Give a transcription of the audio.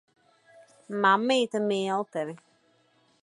Mammīte mīl tevi.